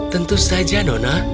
tentu saja nona